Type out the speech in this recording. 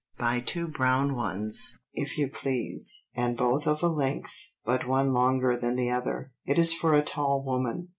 Buy two brown ones, if you please, and both of a length, but one longer than the other—it is for a tall woman.